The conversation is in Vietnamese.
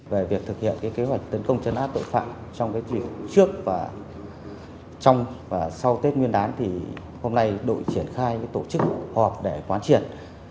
về việc thực hiện kế hoạch tấn công chấn áp tội phạm trong chiều trước và sau tết nguyên đán hôm nay đội triển khai tổ chức họp để quán triển